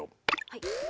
はい。